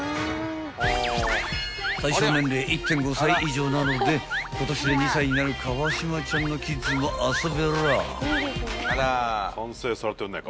［対象年齢１．５歳以上なので今年で２歳になる川島ちゃんのキッズも遊べらぁ］